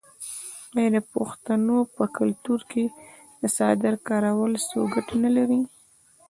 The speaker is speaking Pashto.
آیا د پښتنو په کلتور کې د څادر کارول څو ګټې نلري؟